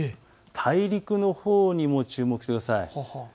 大陸のほうにも注目してください。